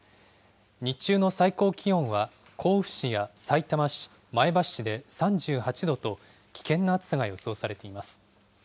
日中の最高気温は、甲府市やさいたま市、前橋市で３８度と、危険な暑さが予想されています。